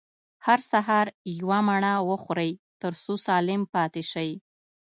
هر سهار يوه مڼه وخورئ، تر څو سالم پاته سئ.